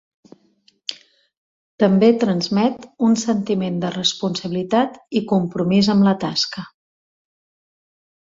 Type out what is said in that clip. També transmet un sentiment de responsabilitat i compromís amb la tasca.